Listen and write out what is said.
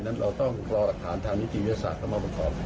นั้นเราต้องรออัตภัณฑ์ทางมิถีวิทยาศาสตร์เข้ามาประกอบ